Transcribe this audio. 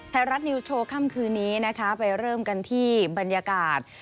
ไทยรัฐนิวสโชว์ค่ำคืนนี้นะคะไปเริ่มกันที่บรรยากาศ